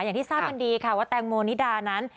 อย่างที่ทราบกันดีค่ะว่าแตงโมนิดานั้น